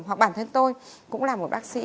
hoặc bản thân tôi cũng là một bác sĩ